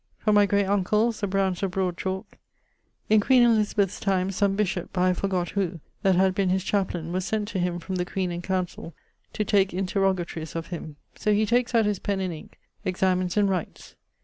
From my great uncles, the Brownes of Broad Chalke: in queen Elizabeth's time, some bishop (I have forgot who) that had been his chaplain, was sent to him from the queen and council, to take interrogatories of him. So he takes out his pen and inke, examines and writes.